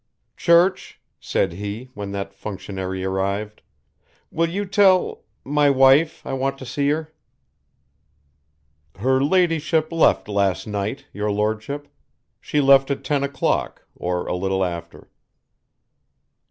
"Church," said he when that functionary arrived, "will you tell my wife I want to see her?" "Her ladyship left last night, your Lordship, she left at ten o'clock, or a little after."